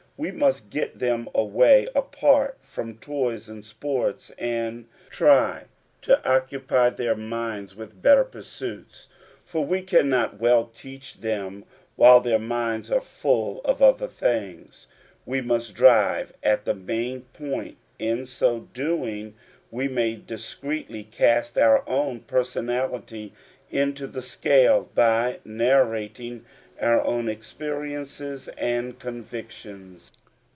TTe must get them away, apart from toys and sports, ind try to occupy their minds with better pursuits ; for wa cannot well teach them while their minds are full of other things. We must drive at the main point always, and keep the fear of the Lord ever uppermost in our teachings, and in so doing we may discreetly cast our own personality into the scale by narrating our own experiences and convictions.